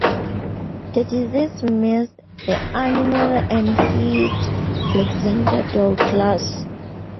The disease missed the animal and hit Alexander Douglas.